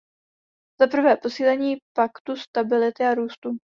Zaprvé posílení Paktu stability a růstu.